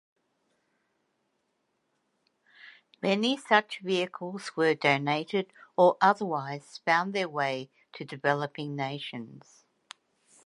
Many such vehicles were donated or otherwise found their way to developing nations.